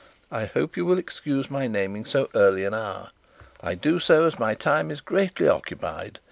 I hope you will excuse my naming so early an hour. I do so as my time is greatly occupied.